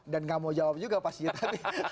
dan gak mau jawab juga pasti